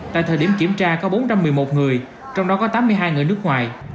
tại thời điểm kiểm tra có bốn trăm một mươi một người trong đó có tám mươi hai người nước ngoài